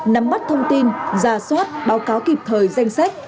nắm bắt thông tin giả soát báo cáo kịp thời danh sách